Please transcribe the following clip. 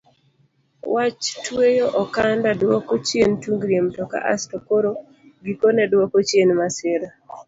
Wach tweyo okanda duoko chien tungni e mtoka asto koro gikone duoko chien masira.